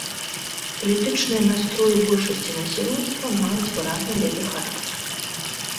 Палітычныя настроі большасці насельніцтва маюць выразны левы характар.